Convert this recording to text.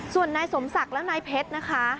ส่วนนายสมศักดิ์และนายเพชรนะคะ